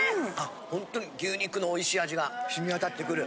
ほんとに牛肉のおいしい味が染み渡ってくる。